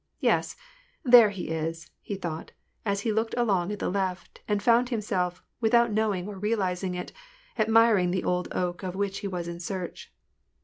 " Yes ! there he is," he thought, as he looked along at the left, and found himself, without knowing or realizing it, admiring the old oak of which he was in search.